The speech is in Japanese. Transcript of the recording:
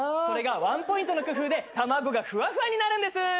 それがワンポイントの工夫で卵がふわふわになるんです！